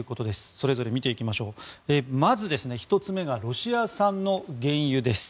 それぞれ見ていきますとまず１つ目がロシア産の原油です。